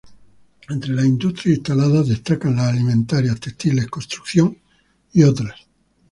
Entre las industrias instaladas destacan las alimentarias, textiles, construcción y otras.